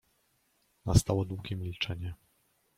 Nastało długie milczenie.